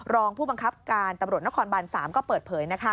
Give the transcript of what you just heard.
รองผู้บังคับการตำรวจนครบาน๓ก็เปิดเผย